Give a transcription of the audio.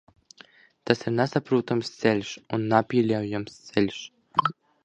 Tas ir nesaprotams ceļš un nepieļaujams ceļš.